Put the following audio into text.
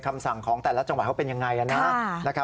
คำสั่งของแต่ละจังหวัดเขาเป็นยังไงนะ